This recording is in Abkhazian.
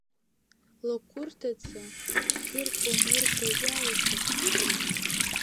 Лакәырҭаца, хьыркәа-мыркәа жәаҩа цаԥха.